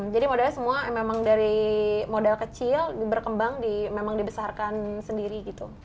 jadi modalnya semua memang dari modal kecil berkembang memang dibesarkan sendiri gitu